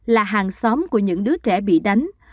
là hàng xóm của những đứa trẻ bị đánh